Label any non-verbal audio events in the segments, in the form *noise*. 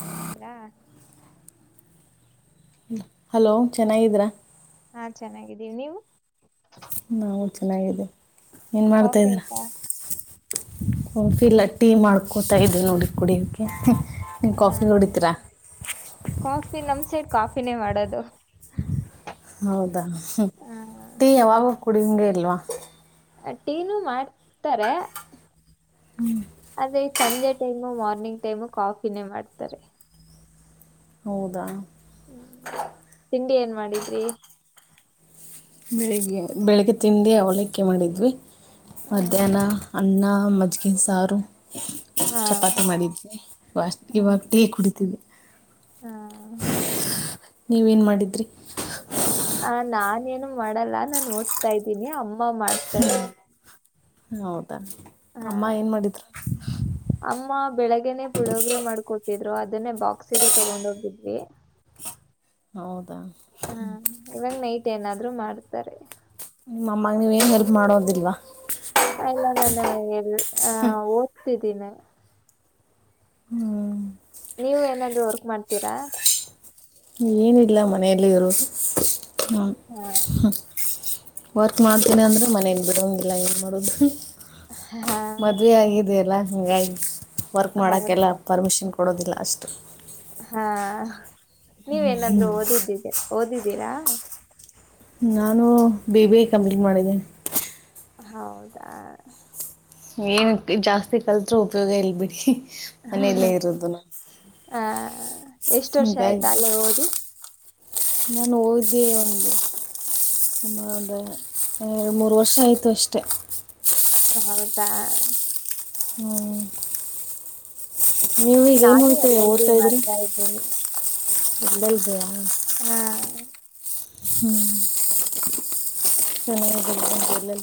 *unintelligible* Hello ಚೆನ್ನಾಗಿದ್ರಾ ಹಾ ಚೆನ್ನಾಗಿದ್ದೀವಿ ನೀವು ಚೆನ್ನಾಗಿದೆ ಕಾಫಿ ಐತಾ ಹಫ ಇಲ್ಲ ಟೀ ಮಾಡ್ಕೋತಾ ಇದದೆ ನೋಡಿ ಕುಡಿಯಕ್ಕೆ ಹಾ ಕಾಫಿ ನಮ್ ಸೈಡ್ ಕಾಫಿನೇ ಮಾಡದು ಹೌದಾ ೀ ಯಾವಾಗ ಕುಡಿ ಹಿಂಂಗಗೆ ಇಲ್ವಾ ಅಟೀನು ಮಾಡ್ತಾರೆ ಹ್ಮ್ ೆ ಸಂಜೆ ಟೈಮು ಮಾರ್ನಿಂಗ್ ಟೈಮು ಕಾಫಿನೇ ಮಾಡ್ತಾರೆ ಹೌದಾ ಹ್ಮ ತಿಂಡಿ ಏನ್ ಮಾಡಿದ್ರಿ ಬೆಳಿಗ್ಗೆ ಬೆಳಗ್ಗೆ ತಿಂಡೇ ಅವಲಕ್ಕೆೆ ಮಾಡಿದ್ವಿ ಹ್ಮ್ ಮಧ್ಯಾಹ್ನ ಅನ್ನ ಮಜ್ಜಗಿನ ಸಾರು ಹಾ ಚಪಾತಿ ಮಾಡಿದ್ವಿ ಇ ಇವಾಗ ಟೀ ಕುಡಿತೀವಿ ಹ್ಮ ನೀವೇನ್ ಮಾಡಿದ್ರಿ ಹ ನಾಾನೇನು ಮಾಡಲ್ಲ ನಾನು ಓದ್ತಾ ಇದ್ದೀನಿ ಅಮ್ಮ ಮಾಡ್ತಾರೆ ಹೌದು ಹ ಅಮ್ಮ ಏನ್ ಮಾಡಿದ್ರು ಅಮ್ಮ ಬೆಳಗ್ನೆೇ ಪುಳೋಗ್ರೆ ಮಾಡ್ಕೊಟ್ಟಿದ್ರು ಅದನ್ನೇ ಬಾಕ್ಸಿಗೂ ತಗೊಂಡೋಗಿದ್ವಿ *unintelligible* ಹಾ ಇವಾಗ ನೈಟ್ ಏನಾದ್್ರರು ಮಾಡ್ತಾರೆ ನಮ್ಮಾಗ ನೀವು ಏನು ಹೆಲ್ಪ್ ಮಾಡೋದಿಲ್ವಾ ಎಲ್ಲ ನಾನು ಎ ಆ ಓದ್ತಿದ್ದೀನಿ ಹ್ಮ್ ನೀವು ಏನಾದ್್ರೂ ವರ್ಕ್ ಮಾಡ್ತೀರಾ ಏನಿಲ್ಲ ಮನೆಯಲ್ಲಿ ಇರೋದು ಹ ಹಾ ವರ್ಕ್ ಮಾಡ್ತೀನಿ ಅಂದರೆ ಮನೇಿಂದ ಬಿಡೋಂಗಿಲ್ಲ ಏನು ಮಾಡೋದು ಹಾ ಮದ್ುವೆ ಆಗಿದೆಯಲ್ಲ ಹಂಗಾಗಿ ವರ್ಕ್ ಹೌದ್ ಮಾಡಕಲ್ಲ ಪರ್ಮಿಷನ್ ಕೊ ಕೊಡೋದಿಲ್ಲ ಅಷ್ಟು ಹಾ ನೀವೇನಾದ್ರು ಓದಿದ್ದಿದ್ದಿ ಓದಿದ್ದೀರಾ ನಾನು ಬಿ ಬಿ ಐ ಕಂಪ್ಲೀಟ್ ಮಾಡಿದ್ದೇನೆ ಹೌದಾ ಏನ ಜಾಸ್ತಿ ಕಳ್ಲತ್ರೆ ಉಪಯೋಗ ಇಲ್ ಬಿಡಿ ಮನೆಯಲ್ಲೇ ಇರದು ನಾ ಎಷ್ಟು ವರ್ಷ ಆಯ್ತಾ ಅಲ್ಲೇ ಓದಿ ನಾನು ಓದ ಒನಗೆ ುಮ್ಮ ಅದ ಎರಡು ಮೂರು ವರ್ಷ ಆಯಿತು ಅಷ್ಟೆ ಹೌದಾ ಹ್ಮ್ ನೀವು ಈಗ ಏನು ನಾನು ಎಲ್ಲೆಲ್ ಮಾಡ್ತಾ ಇದ್ದೀನಿ ಎಲ್ಲ ಇದ್ದೆಯ ಹ್ಮ ಹ್ಮ ಚನದ ಜಲ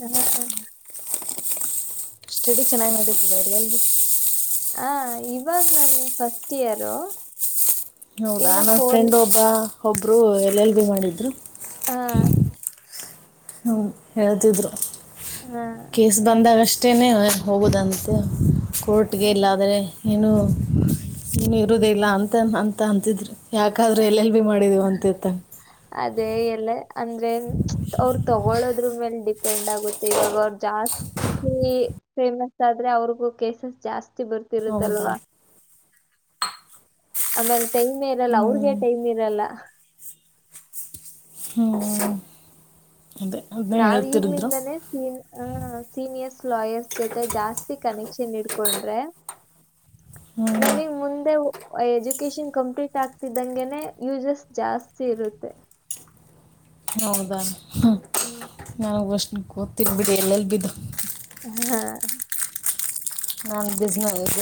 ಹ್ಮ್ ಹ್ಮ್ ಸ್ಟಡಿ ಚೆನ್ನಾಗಿ ನೋಡಿಡರಲ್ ಹ ಇವಾಗ ನನ್ ಫಸ್ಟ್ ಇಯರು ಹೌದಾ ಇನ್ನ ನನ್ ಫೋರ್ ಫ್ರೆಂಡ್ ಒಬ್ಬ ಒಬ್ರು ಎಲ್ಲ ಎಲ್ ಬಿ ಮಾಡಿದ್ರು ಹ್ಮ ಹ್ಮ ಹೇಳ್ತಿದ್ರು ಹಾ ಕೇಸ್ ಬಂದಾಗಷ್ಟೇನೆ ಹೋಗುದಂತೆ ಕೋರ್ಟ್ಗೆ ಹಾ. ಇಲ್ಲಾದ್ರೆ ಏನು ಇನು ಇರುದಿಲ್ಲ ಅಂತ ಅಂತ ಅಂತಿದ್ರರು ಯಾಕಾದ್ರೂ ಎಲ್ ಎಲ್ ಬಿ ಮಾಡಿದೇವ ಅಂತ ತಂಗ ಅದೇ ಎಲ್ಲ ಅಂದ್ರೆ ಅವರು ತಗೊಳೋದ್ರ ಮೇಲೆ ಡಿಪೆಂಡ್ ಆಗುತ್ತೆ ಇವಾಗ ಅವ್ರು ಜಾಸ್ತಿ ಫೇಮಸ್ ಆದ್ರೆ ಅವ್ರಿಗೂ ಕೇಸಸ್ ಜಾಸ್ತಿ ಹೌದಾ ಬರ್ತಿರುತ್ತಲ್ವಾ ಆಮೇಲೆ ಟೈಮ್ ಇರಲ್ಲ ಅವ್ರಿಗೆ ಹ್ಮ್ ಟೈಮ್ ಇರಲ್ಲ ಹ್ಮ್ ಅದೇ ಅದನ್ನೇ ನಾವ್ ಹೇಳ್ತಿರಿದ್ರು ಈಗ್ಲಿಂದನೇ ಅ ಸೀನಿಯರ್ಸ್ ಲಾಯರ್ಸ್ ಜೊತೆ ಜಾಸ್ತಿ ಕನೆಕ್ಷನ್ ಇಡ್ಕೊಂಡ್ರೆ ಹ್ಮ್ ನಮಿಗ್ ಮುಂದೆ ಎಜುಕೇಶನ್ ಕಂಪ್ಲೀಟ್ ಆಗ್ತಿದ್ದಂಗೆನೆ ಯೂಸಸ್ ಜಾಸ್ತಿ ಇರುತ್ತೆ ಹೌದಾ ಹ್ಮ್ ನನಗ್ ಅಷ್ಟ ಗೊತ್ತಿಲ್ಲ ಬಿಡ ಎಲ್ ಎಲ್ ಬಿ ದು ಹಾ ನಾ ಬಿಸ್ನೆಸ್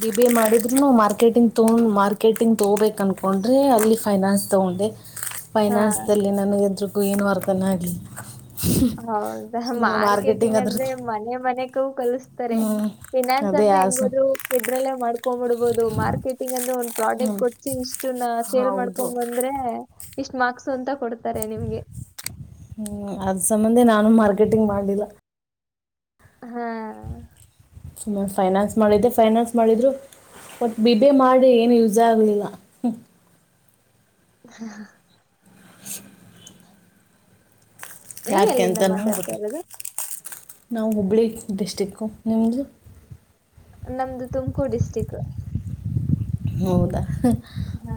ಬಿ ಬಿ ಎ ಮಾಡಿದ್ರುನು ಮಾರ್ಕೆಟಿಂಗ್ ತೂ ಮಾರ್ಕೆಟಿಂಗ್ ತಗೋಬೇಕ ಅನ್ಕೊಂಡ ತಗೊಂಡ್ರೆ ಅಲ್ಲಿ ಫೈನಾನ್ಸ್ ತೊಗೊಂಡೆ ಹಾ ಫೈನಾನ್ಸದಲ್ಲಿ ನನಗೆ ಎದ್ರಗೂ ಏನು ಅರ್ಥನೇ ಆಗ್ಲಿಲ್ಲ ಹೌದಾ ಮಾರ್ಕೆಟಿಂಗ್ ಅದ್ರ ಅಂದ್ರೆ ಮನೆ ಮನೆಗೂ ಕಲ್ಸ್ ತರೆ ಹ್ಞೂ ಫಿನಾನ್ಸ್ ಅದೇ ಅಂದ್ರೆ ಹೆಂಗ ಆಸು ಹದ್ರು ಎದ್ರಲ್ಲೇ ಮಾಡ್ಕೊಂಡ್ಂಬಿಡ್ಬಹುದು ಮಾರ್ಕೆಟಿಂಗ್ ಅಂದ್ರೆ ಒ ಹ್ಞೂ ಪ್ರಾಡಕ್ಟ್ ಕೊಟ್ಟಸಿ ಇಷ್ಟು ನ ಸೇಲ್ ಹೌದು ಮಾಡ್ಕೊಂಡಂಬಂದ್ರೆ ಇಷ್ಟ್ ಮಾರ್ಕ್ಸು ಅಂತ ಕೊಡ್ತಾರೆ ನಿಮ್ಗೆ ಹ್ಮ್ ಅದ್ ಸಂಬಂಧೆ ನಾನು ಮಾರ್ಕೆಟಿಂಗ್ ಮಾಡ್ಲಿಲ್ಲ ಹಾ ಸುಮ್ಮ ಫೈನಾನ್ಸ್ ಮಾಡಿದ್ದೆ ಫೈನಾನ್ಸ್ ಮಾಡಿದರು ಒಟ್ ಬಿ ಬಿ ಎ ಮಾಡಿ ಏನು ಯೂಸೆ ಆಗ್ಲಿಲ್ಲ ಹಾ ಹಾ ನೀವ್ ಯಾಕೆ ಎಲ್ಲಿಂದ ಅಂತನು ಮಾತಾಡ್ತಾ ಗೊತ್ತೇ ಇರೋದು ನಾವು ಹುಬ್ಬಳ್ಳಿ ಡಿಸ್ಟ್ರಿಕ್ಕು ನಿಮ್ದು ನಮ್ದು ತುಮಕೂರು ಡಿಸ್ಟ್ರಿಕ್ ಹೌದಾ ಹ್ಮ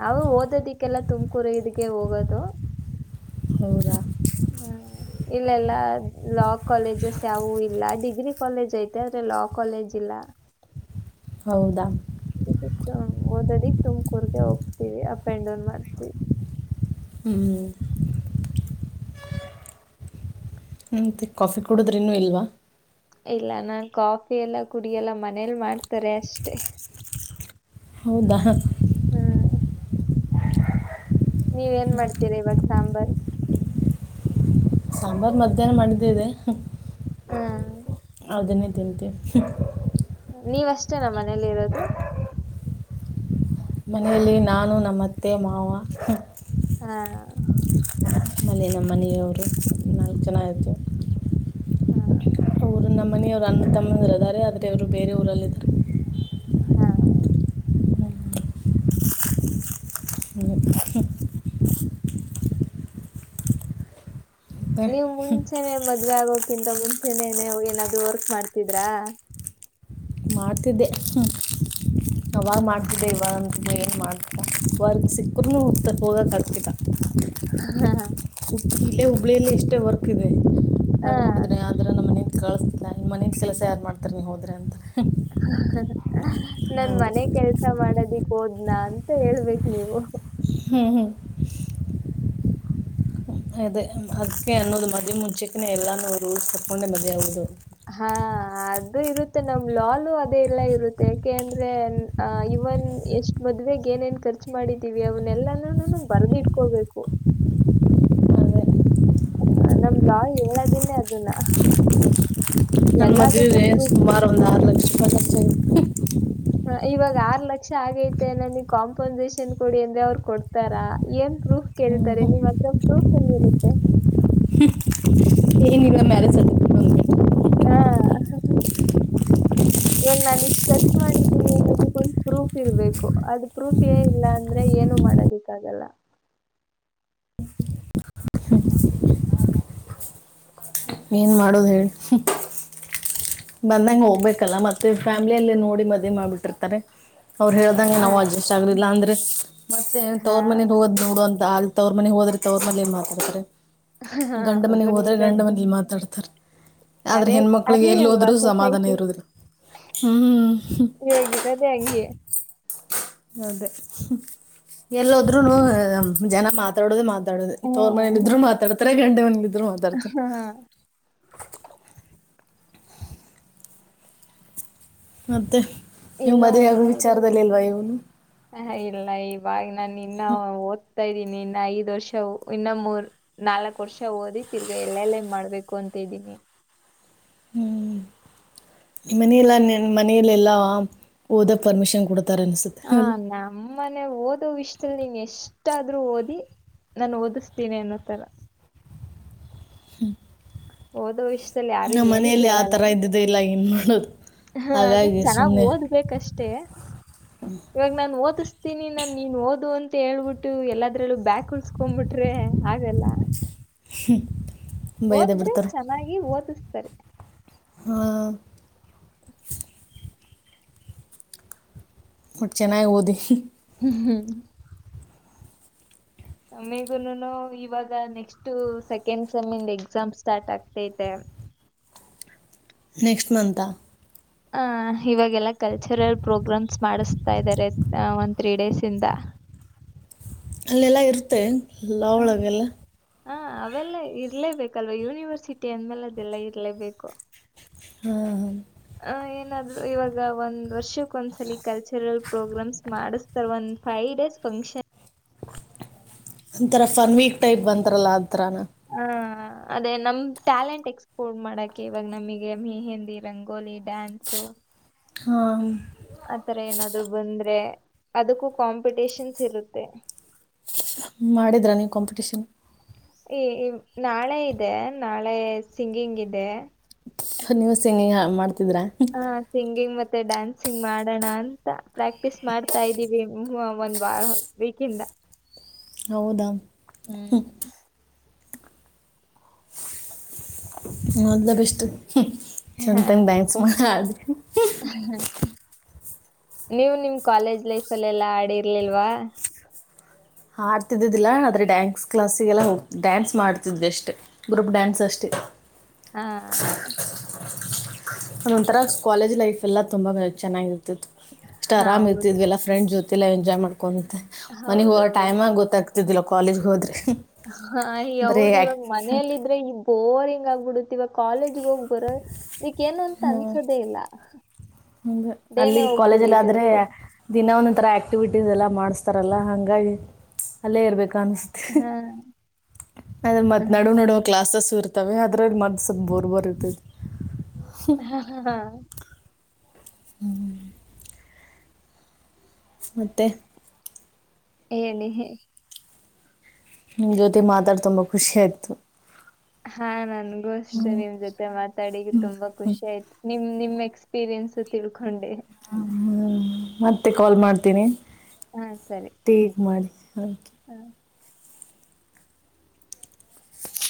ನಾವು ಓದೋದಿಕ್ಕೆಲ್ಲ ತುಮಕೂರು ಇದಿಗೆ ಹೋಗೋದು ಹೌದಾ ಹ್ಮ್ ಇಲ್ಲೆಲ್ಲ ಲಾ ಕಾಲೇಜಸ್ ಯಾವು ಇಲ್ಲ ಡಿಗ್ರಿ ಕಾಲೇಜ್ ಐತೆ ಆದ್ರೆ ಲಾ ಕಾಲೇಜಿಲ್ಲಾ ಹೌದಾ ಓದೋದಿಕ ತುಮಕೂರ್ಗೆ ಹೋಗ್ತೀವಿ ಅಪ್ ಆಂಡ್ ಡೌನ್ ಮಾಡ್ತೀವಿ ಹ್ಮ್ ಹ್ಮ್ ಮತ್ತೆ ಕಾಫಿ ಕುಡುದ್ರಿನೂ ಇನ್ನು ಇಲ್ವಾ ಇಲ್ಲ ನಾನ್ ಕಾಫಿ ಎಲ್ಲಾ ಕುಡಿ ಎಲ್ಲಾ ಮನೇಲಿ ಮಾಡ್ತಾರೆ ಅಷ್ಟೆ ಹೌದಾ ಹ್ಮ್ ನೀವ ಏನ್ ಮಾಡ್ತೀರ ಇವಾಗ ಸಾಂಬಾರ್ ಸಾಂಬಾರ್ ಮಧ್ಯಾಹ್ನ ಮಾಡಿದ್ದಿದೆ ಹಾ ಅದನ್ನೇ ತಿಂತಿನಿ ನೀವಷ್ಟೇನಾ ಮನೇಲ ಇರೋದು ಮನೆಯಲ್ಲಿ ನಾನು ನಮ್ಮತ್ತೆ ಮಾವ ಹಾ ಆಮೇಲೆ ನಮ್ಮ ಮನೆಯವರು ನಾಲ್ಕು ಜನ ಇದ್ದಿವಿ ಹ್ಮ್ ಮನೆಯವರು ಅಣ್ಣ ತಮ್ಮಂದಿರದಾರೆ ಆದರೆ ಇವರು ಬೇರೆ ಊರಲ್ಲರಿದ್ದಾರ ಹಾ ಹ್ಮ್ ಮತ್ತೆ ನೀವ್ ಮುಂಚೆನೆ ಮದ ಮದ್ವೆ ಆಗೋಕಿಂತ ಮುಂಚೆನೇನೆ ಏನಾದ್ರೂ ವರ್ಕ್ ಮಾಡ್ತಿದ್ರಾ ಮಾಡ್ತಿದ್ದೆ ಅವಾಗ ಹ್ಮ್. ಮಾಡ್ತಿದ್ದೆ ಇವಾಗಂತ ಏನ್ ಮಾಡ್ತಿಲ್ಲ ವರ್ಕ್ ಸಿಕ್ಕರನು ಹೋಗಕಾಗತ್ತಿಲ್ಲ ಹಾ ಹಾ ಇಲ್ಲೇ ಹುಬ್ಬಳ್ಳಿಯಲ್ಲಿ ಎಷ್ಟೇ ವರ್ಕ್ ಇದೆ ಹಾ ಕಳಿಸ್ತಿಲ್ಲಾ ನಿಮ್ಮ ಮನಿಂದ ಕೆಲಸ ಯಾರು ಮಾಡ್ತಾರೆ ನೀವು ಹೋದ್ರೆ ಅಂತ ನನ್ ಹಂಗೆ ಮನೆ ಕೆಲ್ಸ ಮಾಡದಿ ಹೋದನಾ ಅಂತ ಹೇಳ್ಬೇಕಕ್ ನೀವು ಹ್ಮ ಹಾ ಅದೆೇ ಅದಕ್ಕೆ ಅನ್ನೋದು ಮದುವೆ ಮುಂಚೆಕ್ಕೆೇ ಎಲ್ಲಾನೂ ರೂಲ್ಸ್ ತಗೊಂಡೆ ಮದುವೆ ಆಗೋದು ಹಾ ಅದು ಇರುತ್ತೆ ನಮ್ ಲಾಲು ಅದೇ ಎಲ್ಲ ಇರುತ್ತೆ ಯಾಕೆ ಅಂದ್ರೆ ಅವನ್ ಎಷ್ಟ್ ಮದ್ಗ ಏನೇನ್ ಖರ್ಚು ಮಾಡಿದೀವಿ ಅವನ್ನಲ್ಲಾನ ನನ ಬರ್ದ ಇಡ್ಕೋಬೇಕು ಹಾ ನಮ್ ಲಾ ಹೇಳದನೇ ಅದನ್ನ ನನ್ನ ಎಲ್ಲದಕ್ಕೂ ಮದುವೆಗೆ ಪ್ರೂಫ್ ಸುಮಾರು ಒಂದು ಆರು ಲಕ್ಷತ್ತು ಇವಾಗ ಆರ್ ಲಕ್ಷ ಆಗೈತೆ ನನ ಕಾಂಪನ್ಸೇಷನ್ ಕೊಡಿ ಅಂದ್ರೆ ಅವ್ರು ಕೊಡ್ತಾರಾ ಏನ್ ಪ್ರೂಫ್ ಹ್ಞೂ ಕೇಳ್ತಾರೆ ನಿವ್ ಹತ್ರ ಪ್ರೂಫ್ ಎಲ್ಲಿಿ ಇರುತ್ತೆ ್ಮ ಹಾ ಹಾ ಇವಾಗ ನಾನು ಇಷ್ಟ ಖರ್ಚ್ ಮಾಡಿದ್ದೀನಿ ಅನ್ನೋದಕ್ಕ ಒಂದು ಪ್ರೂಫ್ ಇರ್ಬೇಕು ಅದು ಪ್ರೂಫ್ ಏ ಇಲ್ಲ ಅಂದ್ರೆ ಏನ ಮಾಡೋದಕ್ಕಾಗಲ್ಲ ಹ ಹ್ಮ್ ಏನ್ ಮಾಡೋದು ಹೇಳಿ ಬಂದಂ ಹ್ಮ್ ಹೋಗ್ಬೇಕಲ್ಲ ಮತ್ತೆ ಫ್ಯಾಮ್ಲಿಯಲ್ಲಿ ನೋಡಿ ಮದ್ವಿ ಮಾಡ್ಬಿಟ್ಟಿರ್ತಾರೆ ಅವ್ರು ಹೇಳ್ದಂಗೆ ಹಾ ನಾವು ಅಡ್ಜಸ್ಟ್ ಆಗ್ಲಿಲ್ಲ ಅಂದ್ರೆ ಮತ್ತೆ ಹಾ ತವರ್ ಮನೆಗ್ ಹೋದ್ ನೋಡು ಅಂತ ಅ ತವರ್ ಮನೆಗ್ ಹೋದ್ರೆ ತವರ್ ಮನ ಏನ್ ಮಾತಾಡ್ತಾರೆ ಹಾ, ಗಂಡ ಮನೆ ಅದು ಹೋದ್ರೆ ನಿಜಾನೆ ಗಂಡ ಮನಿ ಮಾತಾಡ್ತಾರ ಆದ್ರೆ ಅದೇ ಹೆಣ್ಮಕ್ಳಿಗೆ ಅದೇ ಎಲ್ಲಿ ಅಲ್ವಾ ಹೋದ್ೂ ಸಮಾಧಾನ ಸೊಸೈಟಿ ಇರುದಿಲ್ಲ ಹ್ಮ ಇವಾಗಿರೋದೇ ಹಂಗೆ ಹೌದೇ ಎಲ್ಲದ್ರರು ಜನ ಮಾತಾಡೋುದ ಮಾ ಮಾತಾಡ ತೋರ್ ಹ್ಮ್ ಮನೆಯಲ್ಲಿಿದ್ರು ಮಾತಾಡ್ತಾರೆ ಗಂಟೆವನಿದ್ರು ಮಾತಾಡ್ತ ಹಾ ಮತ್ತೆ ನೀವು್ ಎಲ್ಲೋ ಮದುವೆೆಯಗುವ ವಿಚಾರದಲ್ಲಿ ಇಲ್ವಾ ಇವನು ಹ ಇಲ್ಲ ಇವಾಗ ನಾನ ಇನ್ನ ಓದ್ ತಾ ಇದೀನಿ ಇನ್ನ ಐದ್ ವರ್ಷ ಇನ್ನ ಮೂರ್ ನಾಲ್ಕು ವರ್ಷ ಓದಿ ತಿರ್ಗಾ ಎಲ್ಲೆಲ್ಲೇ ಮಾಡ್ಬೇಕು ಅಂತ ಸ್ದೀನಿ ಹ್ಮ್ ಮನಲ್ಲ ಮನಲೆೆಲ್ಲಾ ಓದಕ್ ಪರ್ಮಿಷನ್ ಕೊಡ ಹಾ ನಮ್ಮನೆ ಓದ ವಿಷಯ ದಲ್ಲಿ ಇಷ್ಟಲ್ ನೀನ್ ಎಷ್ಟ ಅಷ್ಟಾದ್ರೂ ಓದಿ ನಾನು ಓದಿಸ್ತೀನಿ ಅನ್ನೋತರ ಹ್ಮ್ ಹಓದ ಇಷ್ಟ ನ ಮನೆಯಲ್ಲಿ ಆ ತರ ಇದ್ದಿದೆ ಇಲ್ಲ ಏನ್ ಮಾಡೋದು ಹಾ ಅದೇ ಹಾಗಾಗಿ ಚೆನ್ನಾಗ್ ಸುಮ್ಮನೆ ಓದ್ಬೇಕಷ್ಟೇ ಇವಾಗ ನಾನ್ ಓದಿಸ್ತೀನಿ ನಾನ್ ನೀನ್ ಓದು ಅಂತ ಮತ್ತೆ ಹೇಳ್ಬಿಟ್ಟು ಎಲ್ಲದ್ರಲ್ಲೂ ಬ್ಯಾಕ್ ಉಳ್ಸ್ಕೊಬಿಟ್ರೆ ಆಗಲ್ಲ ಹ್ಮ ಓದ್ರೆ ಚೆನ್ನಾಗಿ ಓದಿಸ್ತಾರೆ ಹ್ಮ ಬಟ್ಟು ಚೆನ್ನಾಗಿ ಓದ ಹ್ಮ್ ಮೇಗುನು ಇವಾಗ ನೆಕ್ಸ್ಟ್ ಸೆಕೆಂಡ್ ಸೆಮನ್ ಎಕ್ಸಾಮ್ ಸ್ಟಾರ್ಟ್ ಆಗ್ತೈತೆ ನೆಕ್ಸ್ಟ್ ಮಂಂತಾ ಆಹ ಇವಾಗೆಲ್ಲ ಕಲ್ಚರಲ್ ಪ್ರೋಗ್ರಾಮ್ಸ್ ಮಾಡಿಸ್ತಾ ಇದ್ದಾರೆ ಒಂದು ತ್ರೀ ಡೇಸ್ ಇಂದ ಅಲ್ಲೆಲ್ಲ ಇರುತ್ತೆ ಎಲ್ಲ ಅವಳಗೆಲ್ಲ ಹಾ ಅವೆಲ್ಲ ಇರ್ಲೇಬೇಕಲ್ವಾ ಯೂನಿವರ್ಸಿಟಿ ಅಂದ್ಮೇಲೆ ಅದೆಲ್ಲಾ ಇರ್ಲೇಬೇಕು ಹಾ ಹ ಆ ಏನಾದ್ರು ಇವಾಗ ಒಂದ್ ವರ್ಷಕ್ ಒಂದ್ಸಲ ಕಲ್ಚರಲ್ ಪ್ರೋಗ್ರಾಮ್ಸ್ ಮಾಡಿಸ್ತಾರೆ ಒಂದ್ ಫೈವ್ ಡೇಸ್ ಫಂಕ್ಷನ್ ಒಂಥರ ಫನ್ ವೀಕ್ ಟೈಪ್ ಬಂತಾರಲ್ಲ ಅಂತರ ಆ ಹ ಅದೇ ನಮ್ಮ ಟ್ಯಾಲೆಂಟ್ ಎಕ್ಸ್ಪೋರ್ ಮಾಡೋಕ್ಕೆ ಇವಾಗ ನಮಗೆ ಮಹಿಂದಿ ರಂಗೋಲಿ ಡ್ಯಾನ್ಸು ಹಾ ಆತರ ಏನಾದ್ರು ಬಂದ್ರೆ ಅದಕ್ಕೂ ಕಾಂಪಿಟಷನ್ಸ್ ಇರುತ್ತೆ ಮಾಡಿದ್ರಾ ನೀವು ಕಾಂಪಿಟೇಷನ್ ಈ ನಾಳೆ ಇದೆ ನಾಳೆ ಸಿಂಗಿಂಗ್ ಇದೆ ನೀವು ಸಿಂಗಿಂಗ್ ಮಾಡ್ತಿದೀರಾ ಆ ಸಿಂಗಿಂಗ್ ಮತ್ತೆ ಡ್ಯಾನ್ಸಿಂಗ್ ಮಾಡೋಣ ಅಂತ ಪ್ರಾಕ್ಟೀಸ್ ಮಾಡ್ತಾ ಇದ್ದೀವಿ ಒಂದ್ ವೀಕ್ ಇಂದ ಹೌದಾ ಹ್ಮ್ ಮೊದ್ಲ ಬೆಸ್ಟ್ ಚಂದ ತಂಗ ಡ್ಯಾನ್ಸ್ ಮಾಡ ಹ ಹ್ಮ ನೀವು ನಿಮ್ ಕಾಲೇಜ್ ಲೈಫ್ ಅಲ್ಲ ಎಲ್ಲಾ ಆಡಿರ್ಲಿಲ್ವಾ ಹಾಡ್ತಿದ್ದಿದ್ದಿಲ್ಲಾ ಆದ್ರೆ ಡ್ಯಾನ್ಸ್ ಕ್ಲಾಸಿಗೆಲ್ಲ ಹೋಗ್ತ ಡ್ಯಾನ್ಸ್ ಮಾಡ್ತಿದ್ ಅಷ್ಟೆ ಗ್ರೂಪ್ ಡ್ಯಾನ್ಸ್ ಅಷ್ಟೇ ಹಾ ಅದೊಂಥರಾ ಕಾಲೇಜ್ ಲೈಫ್ ಎಲ್ಲಾ ತುಂಬಾ ಚೆನ್ನಾಗಿರುತ್ತೆ ಇಷ್ಟ ಆರಾಮ್ ಹೌದು ಇರ್ತಿದ್ವಿಲ್ಲ ಫ್ರೆಂಡ್ ಜೊತೆಲ್ಲ ಎಂಜಾಯ್ ಮಾಡ್ಕೊಂಡಂತೆ ಮನ ಹೌದೌದು ಟೈಮಾಗ ಗೊತ್ತಾಗ್ತಿದ್ದಿಲ್ಲ ಕಾಲೇಜ್ ಹೋದ್ರರೆ ಹ ಹೌದು ಇವಾಗ ಮನೇಲ್ಲ ಇದ್ರೆ ಇದ್ದ ಬೋರಿಂಗ್ ಆಗ್ಬಿಡತಿವ ಕಾಲೇಜ ಹೋಗ್ ಬರ ಇದಕ್ಕ ಏನು ಅಂತ ಅನ್ಸೋದೆೇ ಇಲ್ಲ ಹ ಅಲ್ಲಿ ಡೇನೆ ಕಾಲೇಜಲ್ಲಿ ಆದ್ರೆ ಹೋಗ್ಬಿಡಿದಿರುತ್ತೆ ದಿನ ಒಂದು ಆಕ್ಟಿವಿಟೀಸ್ ಎಲ್ಲ ಮಾಡಿಸ್ತಾರಲ್ಲ ಹಂಗಾಗಿ ಅಲ್ಲೇ ಇರ್ಬೇಕು ಅನ್ಸ್ತು ಹಾ ಅದರ ಮತ್ ಹ್ಮ ನಡುವ ನಡುವ ಕ್ಲಾಸಸ್ ಸುರ್ತವೆೆ ಅದ್ರಲ್ಲಿ ಮದ ಸ್ವಲ್ಪ ಬೋರ್ ಬೋರ್ ಇರ್ತದೆ ಹಾ ಹಾ ಹಾ ಹ್ಮ್ ಹ್ಮ ಹ್ಮ ಮತ್ತೆ ಹೇಳಿ ಹ್ಮ ಜ್ಯೋತಿ ಮಾತಾಡ್ ತುಂಬಾ ಖುಷಿ ಆಯ್ತು ಹಾ ನನ್ಗೂ ಅಷ್ಟೆ ನಿಮ್ ಜೊತೆ ಮಾತಾಡಿ ತುಂಬಾ ಖುಷಿ ಆಯ್ತು ನಿಮ್ ನಿಮ ಎಕ್ಸ್ಪೀರಿಯನ್ಸ್ ತಿಳ್ಕೊಂಡೆ ಹ ಹ್ಮ್ ಮತ್ತೆ ಕಾಲ್ ಮಾಡ್ತೀನಿ ಹಾ ಸರಿ ಟೇಕ್ ಮಾಡಿ ಹಾಗಕೆ ಹ *unintelligible*